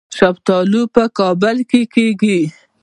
شفتالو په کابل کې کیږي